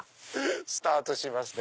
スタートしますね